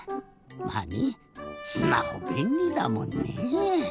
まあねぇスマホべんりだもんね。